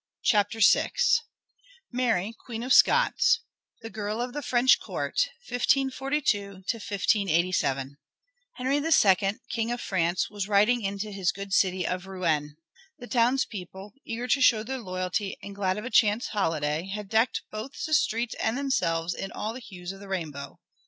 VI Mary Queen of Scots The Girl of the French Court: 1542 1587 Henry II, King of France, was riding into his good city of Rouen. The townspeople, eager to show their loyalty and glad of a chance holiday, had decked both the streets and themselves in all the hues of the rainbow.